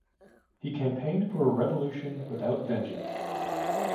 He campaigned for a revolution without vengeance.